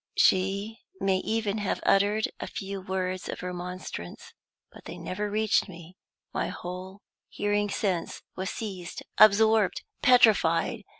She may even have uttered a few words of remonstrance; but they never reached me: my whole hearing sense was seized, absorbed, petrified.